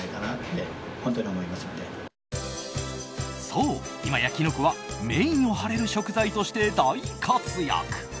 そう、今やキノコはメインを張れる食材として大活躍。